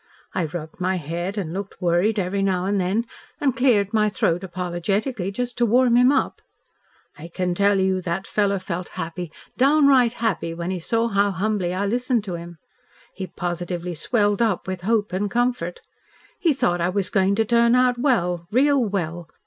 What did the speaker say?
I rubbed my head and looked worried every now and then and cleared my throat apologetically just to warm him up. I can tell you that fellow felt happy, downright happy when he saw how humbly I listened to him. He positively swelled up with hope and comfort. He thought I was going to turn out well, real well.